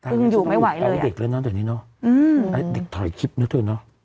อื่นอยู่ไม่ไหวเลยอ่ะอืมอ่ะเด็กถ่อยคลิปนึงนะ